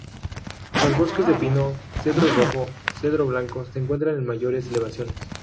Los bosques de pino, cedro rojo y cedro blanco, se encuentran en mayores elevaciones.